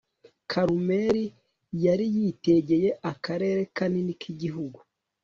Karumeli yari yitegeye akarere kanini kigihugu